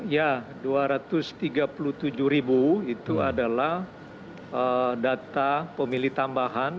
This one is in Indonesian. ya dua ratus tiga puluh tujuh ribu itu adalah data pemilih tambahan